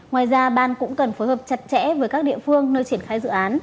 ngoài ra ban cũng cần phối hợp chặt chẽ với các địa phương nơi triển khai dự án